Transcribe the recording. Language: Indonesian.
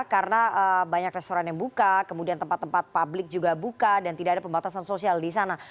karena banyak restoran yang buka kemudian tempat tempat publik juga buka dan tidak ada pembatasan sosial di sana